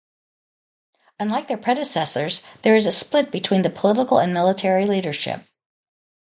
Unlike their predecessors, there is a split between the political and military leadership.